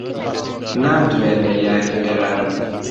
نامدوێنێ یاری پێرارم